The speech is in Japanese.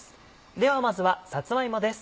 ではまずはさつま芋です。